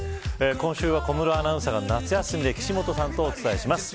今週は小室アナウンサーが夏休みで岸本さんとお伝えします。